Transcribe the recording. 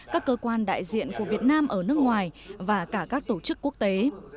các cơ quan đại diện của việt nam ở nước ngoài và cả các tổ chức quốc tế